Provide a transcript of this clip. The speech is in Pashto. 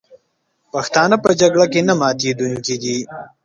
پښتانه په جګړه کې نه ماتېدونکي دي.